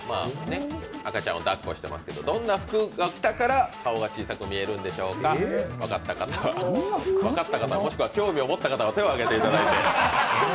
赤ちゃんをだっこしてますけど、どんな服を着たから顔が小さく見えるんでしょうか、分かった方、もしくは興味を持った方は手を挙げていただいて。